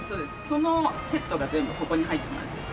そのセットが全部ここに入ってます。